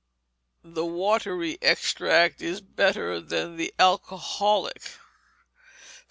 The watery extract is better than the alcoholic. 741.